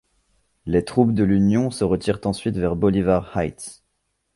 Le troupes de l'Union se retirent ensuite vers Bolivar Heights.